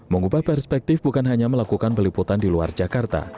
mengubah perspektif bukan hanya melakukan peliputan di luar jakarta